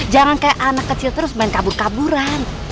jangan kayak anak kecil terus main kabur kaburan